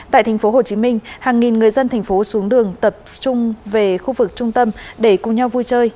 tại thành phố hồ chí minh hàng nghìn người dân thành phố xuống đường tập trung về khu vực trung tâm để cùng nhau vui chơi